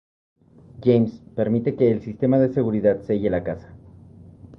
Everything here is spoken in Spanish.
James permite que el sistema de seguridad selle la casa.